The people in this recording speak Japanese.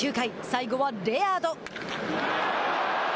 最後はレアード。